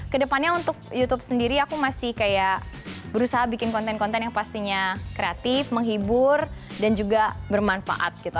kedepannya untuk youtube sendiri aku masih kayak berusaha bikin konten konten yang pastinya kreatif menghibur dan juga bermanfaat gitu